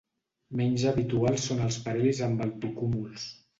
Menys habituals són els parhelis amb altocúmuls.